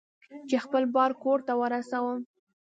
چې خپل بار کور ته ورسوم.